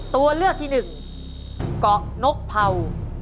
ตัวเลือกที่หนึ่งเกาะนกเผา